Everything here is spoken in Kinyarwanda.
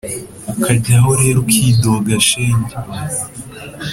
ukajyaho rero ukidoga shenge